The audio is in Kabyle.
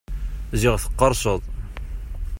Ziɣ teqqerseḍ!